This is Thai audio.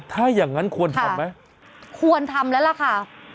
ถ้าอย่างนั้นควรการได้ควรทำแล้วนะคะ